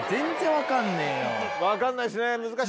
全然分かんない。